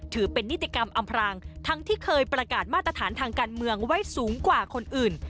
ถือเป็นนิติกรรมอำพรางทั้งที่เคยประกาศมาตรฐานทางการเมืองไว้สูงกว่าคนอื่น